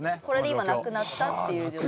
これで今亡くなったっていう。